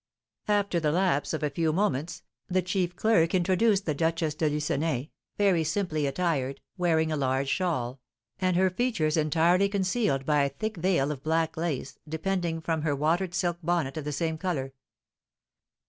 After the lapse of a few moments, the chief clerk introduced the Duchess de Lucenay, very simply attired, wearing a large shawl, and her features entirely concealed by a thick veil of black lace, depending from her watered silk bonnet of the same colour.